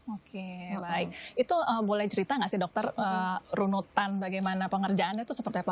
oke baik itu boleh cerita nggak sih dokter runutan bagaimana pengerjaannya itu seperti apa